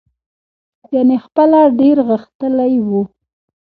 ګنې خپله ډېر غښتلی و.